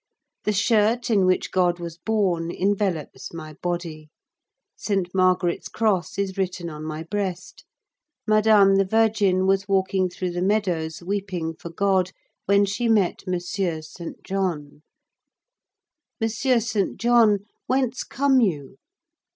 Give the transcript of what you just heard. The shirt in which God was born envelopes my body; Saint Margaret's cross is written on my breast. Madame the Virgin was walking through the meadows, weeping for God, when she met M. Saint John. 'Monsieur Saint John, whence come you?